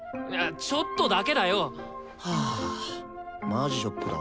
ちょっとだけだよ！はマジショックだわ。